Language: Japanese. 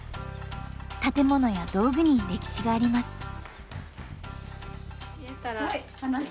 建物や道具に歴史があります。